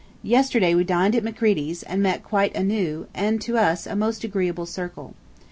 Yesterday we dined at Macready's and met quite a new, and to us, a most agreeable circle.